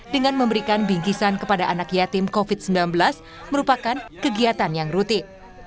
dengan memberikan bingkisan kepada anak yatim covid sembilan belas merupakan kegiatan yang rutin